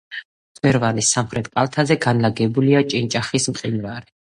მწვერვალის სამხრეთ კალთაზე განლაგებულია ჭანჭახის მყინვარი.